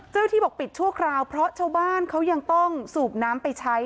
ที่บอกปิดชั่วคราวเพราะชาวบ้านเขายังต้องสูบน้ำไปใช้